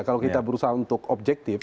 kalau kita berusaha untuk objektif